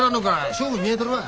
勝負見えとるわ。